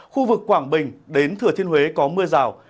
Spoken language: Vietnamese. khu vực quảng bình đến thừa thiên huế có mưa rào